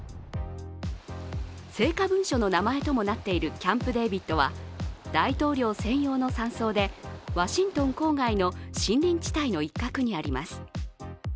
成果文書の名前ともなっているキャンプ・デービッドは大統領専用の山荘でワシントン郊外の森林地帯の一角にあります。